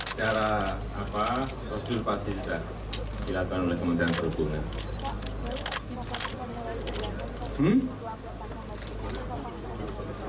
secara prosedur pasti sudah dilakukan oleh kementerian perhubungan